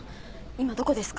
今どこですか？